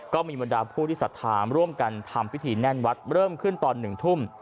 บรรดาผู้ที่สัทธาร่วมกันทำพิธีแน่นวัดเริ่มขึ้นตอน๑ทุ่ม